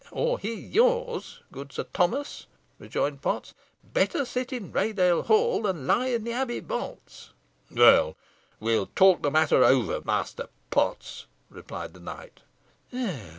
"Or he yours, good Sir Thomas," rejoined Potts. "Better sit in Raydale Hall, than lie in the Abbey vaults." "Well, we'll talk over the matter, Master Potts," replied the knight.